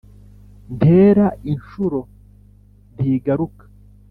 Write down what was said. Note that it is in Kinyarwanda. Ntera inshuro ntigaruka.